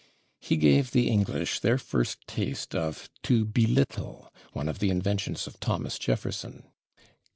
He gave the English their first taste of /to belittle/, one of the inventions of Thomas Jefferson.